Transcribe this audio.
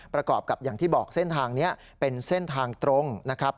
ประกอบกับอย่างที่บอกเส้นทางนี้เป็นเส้นทางตรงนะครับ